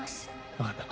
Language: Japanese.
分かった。